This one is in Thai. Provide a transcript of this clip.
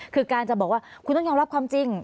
คือการจะบอกว่าคุณต้องยอมรับความจริง